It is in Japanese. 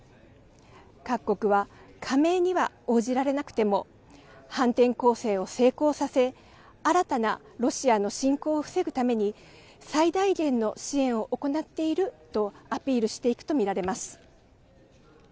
各国は加盟には応じられなくても、反転攻勢を成功させ、新たなロシアの侵攻を防ぐために、最大限の支援を行っているとアピールしていくと見られます。